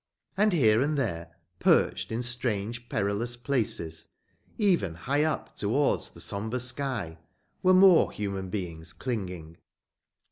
And here and there, perched in strange perilous places, even high up towards the sombre sky, were more human beings clinging.